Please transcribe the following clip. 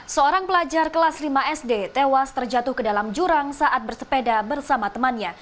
seorang pelajar kelas lima sd tewas terjatuh ke dalam jurang saat bersepeda bersama temannya